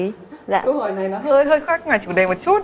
câu hỏi này nó hơi khác ngoài chủ đề một chút